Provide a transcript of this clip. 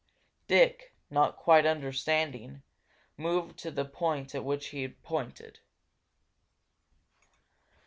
Dick, not quite understanding, moved to the point at which he pointed.